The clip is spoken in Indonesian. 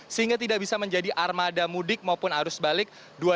sehingga tidak bisa menjadi armada mudik maupun arus balik dua ribu dua puluh